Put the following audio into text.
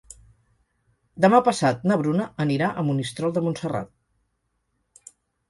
Demà passat na Bruna anirà a Monistrol de Montserrat.